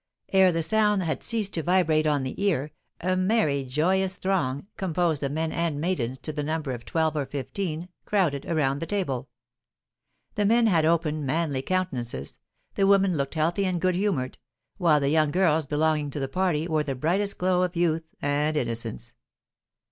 Ere the sound had ceased to vibrate on the ear, a merry, joyous throng, composed of men and maidens to the number of twelve or fifteen, crowded around the table; the men had open, manly countenances, the women looked healthy and good humoured, while the young girls belonging to the party wore the brightest glow of youth and innocence.